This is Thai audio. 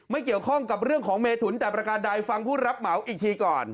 ไม่เกี่ยวข้องกับเรื่องของเมถุนแต่ประการใดฟังผู้รับเหมาอีกทีก่อน